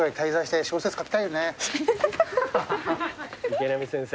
池波先生。